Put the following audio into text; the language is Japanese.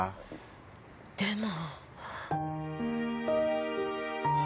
でも。